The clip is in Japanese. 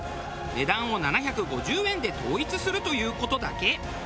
値段を７５０円で統一するという事だけ。